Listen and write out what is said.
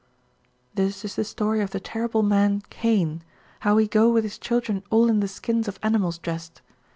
"This is the story of the terrible man, Cain, how he go with his children all in the skins of animals dressed.